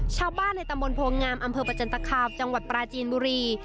ชาวบ้านในตำบลโพงามอำเภอประจันตคามจังหวัดปราจีนบุรี